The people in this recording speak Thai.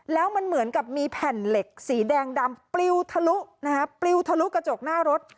แล้วมันเหมือนกับมีแผ่นเหล็กสีแดงดำปลิวทะลุนะฮะปลิวทะลุกระจกหน้ารถ